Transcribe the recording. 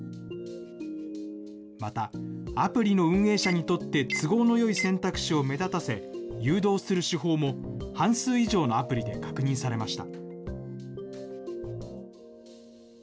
また、アプリの運営者にとって都合のよい選択肢を目立たせ、誘導する手法も、半数以上のアプリで確認されました。